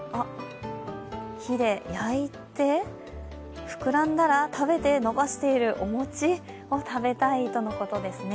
火で焼いてふくらんだら食べてのばしている、お餅を食べたいとのことですね。